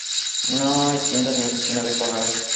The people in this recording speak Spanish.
No hay tiendas ni oficina de correos.